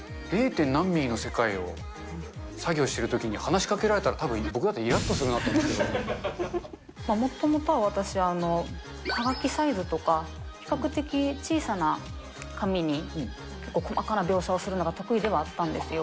０点何ミリの世界を、作業してるときに、話しかけられたら、たぶん、僕だったらいらっとするもともとは私、はがきサイズとか、比較的小さな紙に結構、細かな描写をするのが得意ではあったんですよ。